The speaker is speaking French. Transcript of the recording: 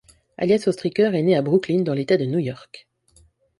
Alicia Ostriker est née à Brooklyn dans l'état de New York.